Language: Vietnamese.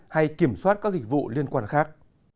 hay kiểm soát các dịch vụ liên quan khác